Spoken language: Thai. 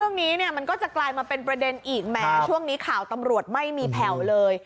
เรื่องนี้เนี่ยมันก็จะกลายมาเป็นประเด็นอีกแหมช่วงนี้ข่าวตำรวจไม่มีแผ่วเลย